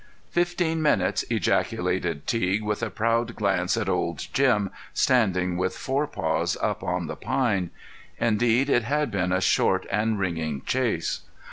"Fifteen minutes!" ejaculated Teague, with a proud glance at Old Jim standing with forepaws up on the pine. Indeed it had been a short and ringing chase.